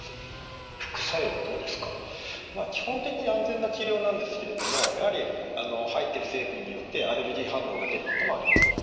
基本的に安全な治療なんですけれどもやはり入っている成分によってアレルギー反応が出ることもあります。